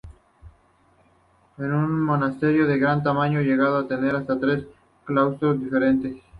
Es un monasterio de gran tamaño, llegando a tener hasta tres claustros diferentes.